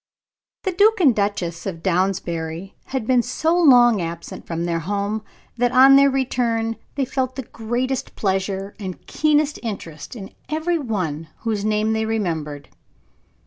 The Duke and Duchess of Downsbury had been so long absent from their home, that on their return they felt the greatest pleasure and keenest interest in every one whose name they remembered.